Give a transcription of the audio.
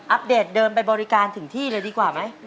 อัพเดทเดินไปบริการถึงที่เลยนะคะ